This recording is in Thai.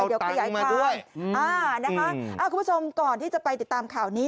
ให้เอาตังค์มาด้วยอ่านะคะอ่ะคุณผู้ชมก่อนที่จะไปติดตามข่าวนี้